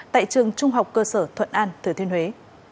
tại trường trung học cơ sở thuận an thừa thiên huế